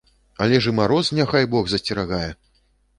Але ж і мароз, няхай бог засцерагае!